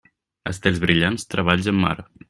Estels brillants, treballs en mar.